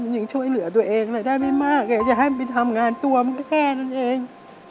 ยังช่วยเหลือตัวเองอะไรได้ไม่มากจะให้มันไปทำงานตัวมันก็แค่นั้นเอง